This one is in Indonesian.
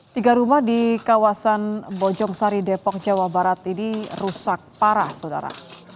tiga rumah di kawasan bojong sari depok jawa barat ini rusak parah saudara